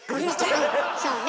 そうね。